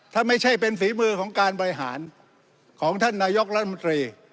ถ้าไม่ใช่เป็นฝีมือของการบริหารของท่านนายกรัฐมนตรี